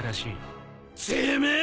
てめえ！